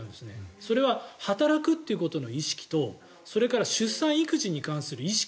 それは働くということの意識とそれから出産・育児に関する意識。